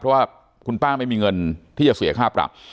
เพราะว่าคุณป้าไม่มีเงินที่จะเสียค่าปรับ